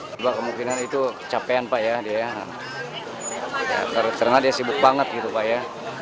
kebanyakan itu kecapean pak ya karena dia sibuk banget gitu pak ya